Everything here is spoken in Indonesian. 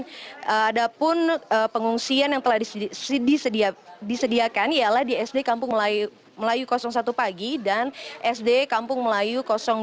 dan ada pun pengungsian yang telah disediakan ialah di sd kampung melayu satu pagi dan sd kampung melayu dua